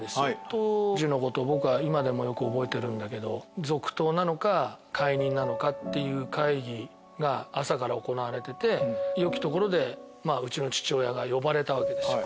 当時のこと僕は今でもよく覚えてるんだけど続投なのか解任なのかっていう会議が朝から行われててよきところでうちの父親が呼ばれたわけです。